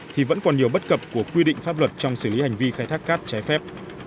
thì vẫn còn nhiều bất cập của quy định pháp luật trong xử lý hành vi khai thác cát trái phép